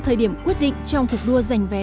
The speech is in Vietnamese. thời điểm quyết định trong cuộc đua giành vé